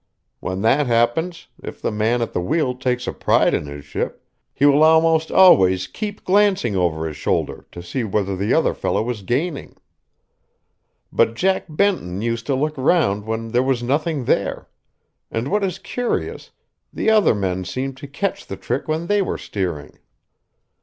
When that happens, if the man at the wheel takes a pride in his ship, he will almost always keep glancing over his shoulder to see whether the other fellow is gaining. But Jack Benton used to look round when there was nothing there; and what is curious, the other men seemed to catch the trick when they were steering.